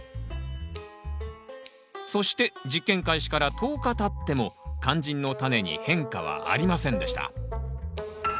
そして実験開始から１０日たっても肝心のタネに変化はありませんでした。